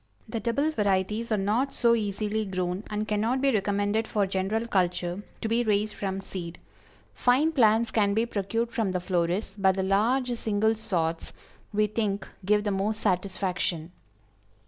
The double varieties are not so easily grown, and cannot be recommended for general culture to be raised from seed. Fine plants can be procured from the florists, but the large single sorts, we think give the most satisfaction.